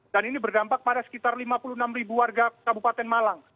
dan ini berdampak pada sekitar lima puluh enam ribu warga kabupaten malang